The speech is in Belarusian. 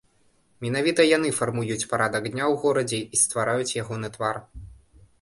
Менавіта яны фармуюць парадак дня ў горадзе і ствараюць ягоны твар.